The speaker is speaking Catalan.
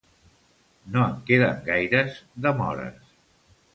No en queden gaires, de mores.